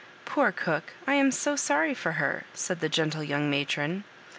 " Poor cook, I am so sorry for her," said the gentle young matron.